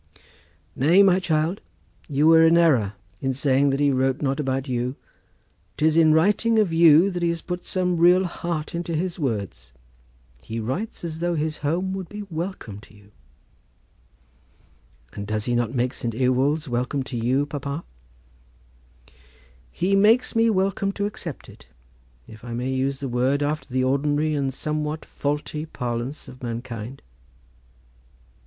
"Nay, my child, you were in error in saying that he wrote not about you. 'Tis in writing of you he has put some real heart into his words. He writes as though his home would be welcome to you." "And does he not make St. Ewolds welcome to you, papa?" "He makes me welcome to accept it, if I may use the word after the ordinary and somewhat faulty parlance of mankind."